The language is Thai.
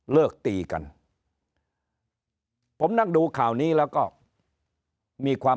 ตีกันผมนั่งดูข่าวนี้แล้วก็มีความ